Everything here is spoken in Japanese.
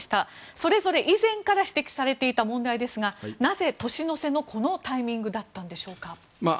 それぞれ以前から指摘されていた問題ですがなぜ、年の瀬のこのタイミングだったんでしょうか。